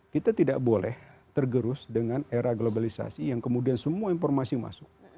kita tidak boleh tergerus dengan era globalisasi yang kemudian semua informasi masuk